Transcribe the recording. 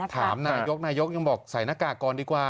ถามนายกนายกยังบอกใส่หน้ากากก่อนดีกว่า